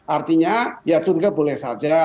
artinya ya curiga boleh saja